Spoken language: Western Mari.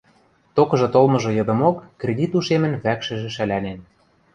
Токыжы толмыжы йыдымок кредит ушемӹн вӓкшӹжӹ шӓлӓнен.